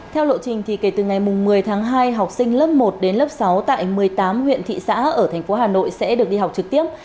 theo lộ trình kể từ ngày một mươi tháng hai học sinh lớp một đến lớp sáu tại một mươi tám huyện thị xã ở thành phố hà nội sẽ được đi học trực tiếp